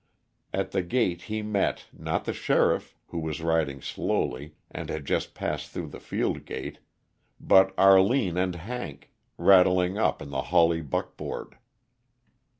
At the gate he met, not the sheriff, who was riding slowly, and had just passed through the field gate, but Arline and Hank, rattling up in the Hawley buck board.